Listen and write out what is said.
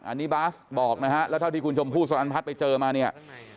อันนี้บาสบอกนะฮะแล้วเท่าที่คุณชมพู่สลันพัฒน์ไปเจอมาเนี่ย